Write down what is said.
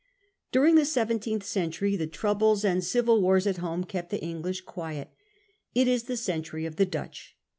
During the seventeenth century the troubles and civil £ 50 CAPTAm COOK' CHAP. wars at home kept the English quiet. It is the century of the Dutch.